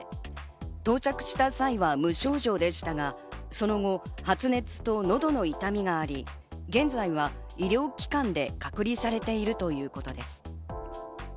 到着した際は無症状でしたが、その後、発熱と喉の痛みがあり現在は医療機関で隔離されているということです。